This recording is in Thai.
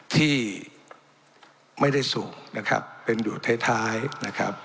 ที่ไม่ได้สูงนะครับเป็นอยู่ท้ายนะครับ